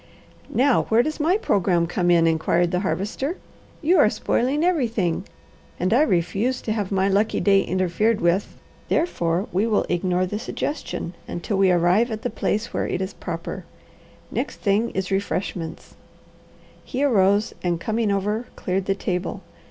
"Now where does my programme come in?" inquired the Harvester. "You are spoiling everything, and I refuse to have my lucky day interfered with; therefore we will ignore the suggestion until we arrive at the place where it is proper. Next thing is refreshments." He arose and coming over cleared the table.